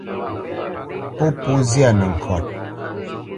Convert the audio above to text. Pó po ghɔ̂ nzyâ nəŋkɔt.